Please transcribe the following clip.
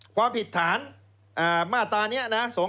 ความผิดฐานมาตรานี้นะ